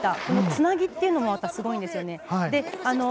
このつなぎというのもまた、すごいんですよね。